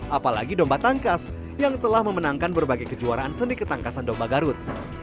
apalagi domba tangkas yang telah memenangkan berbagai kejuaraan seni ketangkasan domba garut